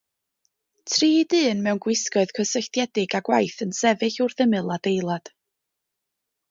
Tri dyn mewn gwisgoedd cysylltiedig â gwaith yn sefyll wrth ymyl adeilad.